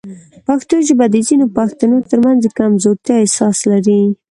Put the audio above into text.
پښتو ژبه د ځینو پښتنو ترمنځ د کمزورتیا احساس لري.